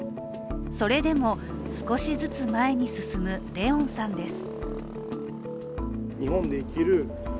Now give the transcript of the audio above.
それでも少しずつ前に進む怜音さんです。